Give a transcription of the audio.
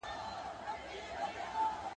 چاړه که د سرو ده، هسي نه چي د ځيگر د منډو ده.